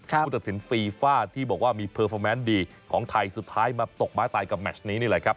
ครับผู้ตัดสินฟรีฟ่าที่บอกว่ามีดีของไทยสุดท้ายมาตกม้าตายกับแมชนี้นี่แหละครับ